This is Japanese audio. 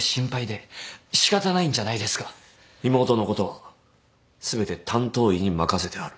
妹のことは全て担当医に任せてある。